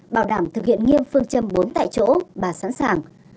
bảo đảm thực hiện nghiêm phương châm bốn tại chỗ bà sẵn sàng